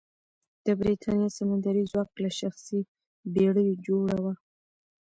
د برېتانیا سمندري ځواک له شخصي بېړیو جوړه وه.